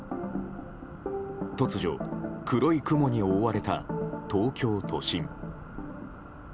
突如、黒い雲に覆われた東京都心。